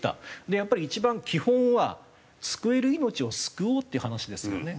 でやっぱり一番基本は救える命を救おうっていう話ですよね。